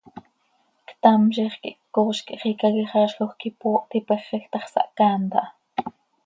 Ctam ziix quih ccooz quih xiica quixaazjoj quih ipooht, ipexej ta x, sahcaant aha.